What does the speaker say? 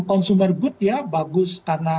consumer booth ya bagus karena